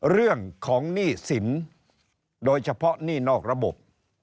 เรื่องของหนี้สินโดยเฉพาะหนี้นอกระบบ